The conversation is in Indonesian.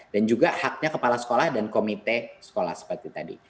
dan juga haknya kepala sekolah dan komite sekolah seperti tadi